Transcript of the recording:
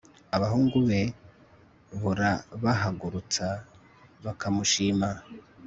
abahungu be burabahagurutsa bakamushima